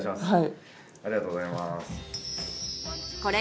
はい。